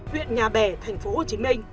huyện nhà bè tp hcm